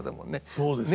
そうですね。